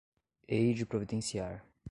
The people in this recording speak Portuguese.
Hei de providenciar